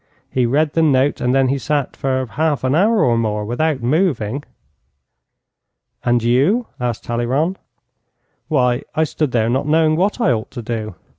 He read the note, and then he sat for half an hour or more without moving.' 'And you?' asked Talleyrand. 'Why, I stood there not knowing what I ought to do.